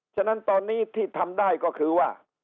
ฉะนั้นตอนนี้ที่ทำได้ก็คือว่า